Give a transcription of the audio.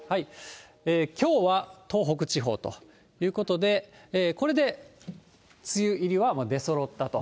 きょうは東北地方ということで、これで梅雨入りは出そろったと。